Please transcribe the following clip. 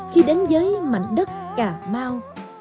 khi đến với mạnh đất cà mau